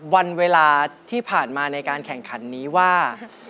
วันเวลาที่ผ่านมาในการแข่งขันนี้ว่า